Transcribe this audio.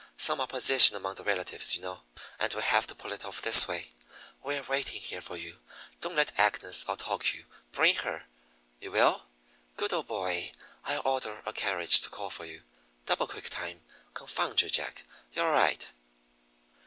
Some opposition among the relatives, you know, and we have to pull it off this way. We're waiting here for you. Don't let Agnes out talk you bring her! You will? Good old boy! I'll order a carriage to call for you, double quick time. Confound you, Jack, you're all right!"